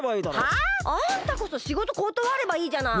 はあ？あんたこそしごとことわればいいじゃない。